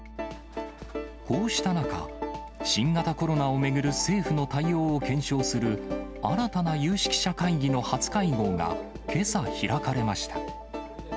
こうした中、新型コロナを巡る政府の対応を検証する新たな有識者会議の初会合がけさ開かれました。